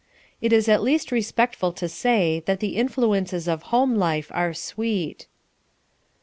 It is at least respectful to say that the influences of home life are sweet.